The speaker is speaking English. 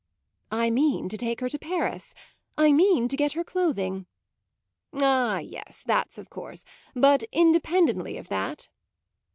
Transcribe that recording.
"I mean to take her to Paris. I mean to get her clothing." "Ah yes, that's of course. But independently of that?"